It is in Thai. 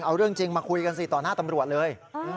เอาเรื่องจริงมาคุยกันสิต่อหน้าตำรวจเลย